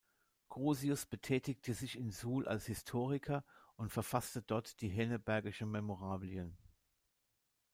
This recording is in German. Crusius betätigte sich in Suhl als Historiker und verfasste dort die „Hennebergische Memorabilien“.